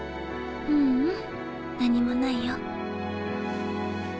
ううん何もないよ。